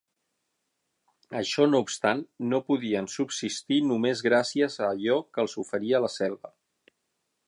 Això no obstant, no podien subsistir només gràcies a allò que els oferia la selva.